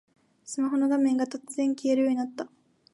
スマホの画面が突然消えるようになった